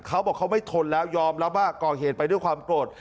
เขาบอกเขาไม่ทนแล้วยอมรับว่าก่อเหตุไปด้วยความโกรธ